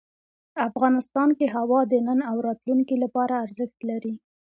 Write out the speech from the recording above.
افغانستان کې هوا د نن او راتلونکي لپاره ارزښت لري.